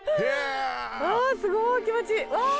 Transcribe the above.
うわすごい気持ちいいわあ。